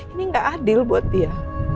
ini nggak adil buat dia